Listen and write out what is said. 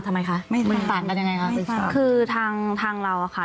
ทำไมคะมึงฟังกันยังไงครับไม่ฟังคือทางทางเราอ่ะค่ะ